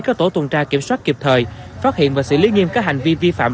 các tổ tuần tra kiểm soát kịp thời phát hiện và xử lý nghiêm các hành vi vi phạm